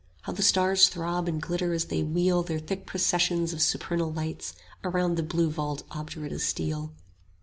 How the stars throb and glitter as they wheel Their thick processions of supernal lights Around the blue vault obdurate as steel!